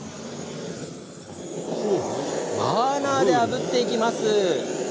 バーナーであぶっていきます。